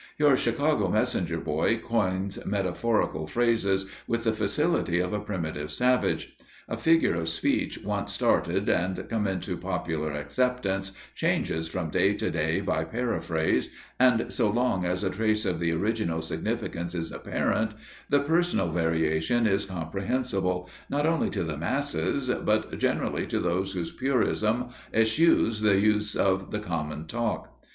Your Chicago messenger boy coins metaphorical phrases with the facility of a primitive savage. A figure of speech once started and come into popular acceptance changes from day to day by paraphrase, and, so long as a trace of the original significance is apparent, the personal variation is comprehensible, not only to the masses, but generally to those whose purism eschews the use of the common talk.